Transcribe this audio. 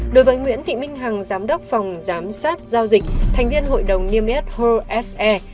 đối với nguyễn thị minh hằng giám đốc phòng giám sát giao dịch thành viên hội đồng niêm yết hồ s e